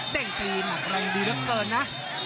่งตีหนักแรงดีเหลือเกินนะ